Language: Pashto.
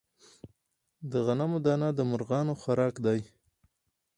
د غنمو دانه د مرغانو خوراک دی.